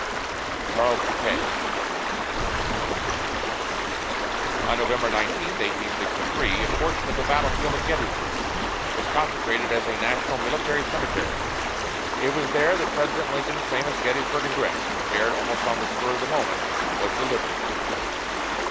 CHARLES DE KAY. On November 19, 1863, a portion of the battle field of Gettysburg was consecrated as a national military cemetery. It was there that President Lincoln's famous Gettysburg address, prepared almost on the spur of the moment, was delivered.